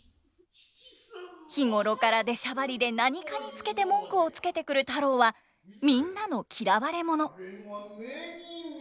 日頃から出しゃばりで何かにつけて文句をつけてくる太郎はみんなの嫌われ者。